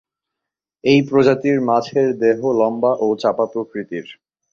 এই প্রজাতির মাছের দেহ লম্বা ও চাপা প্রকৃতির।